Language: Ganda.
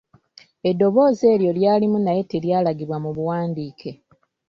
Eddoboozi eryo lyalimu naye teryalagibwa mu buwandiike.